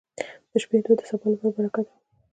• د شپې دعا د سبا لپاره برکت راوړي.